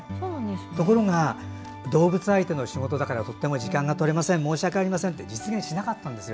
ところが、動物相手の仕事だからとても時間が取れません申し訳ありませんと実現しなかったんですよ。